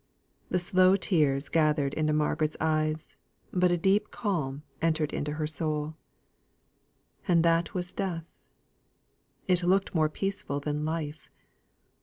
The slow tears gathered into Margaret's eyes, but a deep calm entered into her soul. And that was death! It looked more peaceful than life.